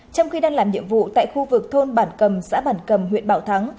trong khi đang làm nhiệm vụ tại khu vực thôn bản cầm xã bản cầm huyện bảo thắng